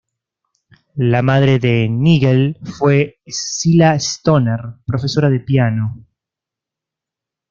La madre de Nigel fue Escila Stoner, profesora de piano.